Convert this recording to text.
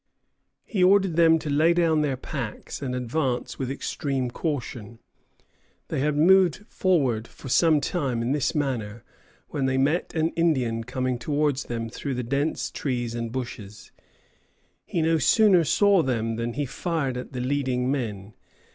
He ordered them to lay down their packs and advance with extreme caution. They had moved forward for some time in this manner when they met an Indian coming towards them through the dense trees and bushes. He no sooner saw them than he fired at the leading men.